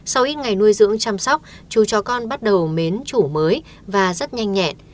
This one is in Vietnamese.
sau ít ngày nuôi dưỡng chăm sóc chú chó con bắt đầu mến chủ mới và rất nhanh nhẹn